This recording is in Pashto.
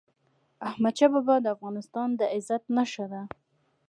احمدشاه بابا د افغانستان د عزت نښه ده.